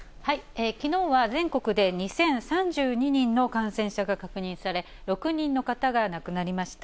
きのうは全国で２０３２人の感染者が確認され、６人の方が亡くなりました。